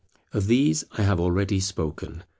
Of these I have already spoken.